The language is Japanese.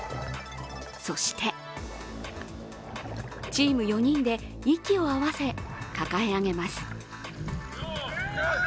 そして、チーム４人で息を合わせ、抱え上げます。